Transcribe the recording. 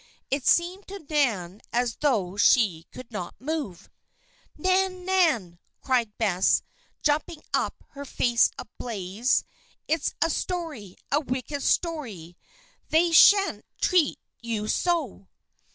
It seemed to Nan as though she could not move. "Nan! Nan!" cried Bess, jumping up, her face ablaze. "It's a story, a wicked story! They sha'n't treat you so!"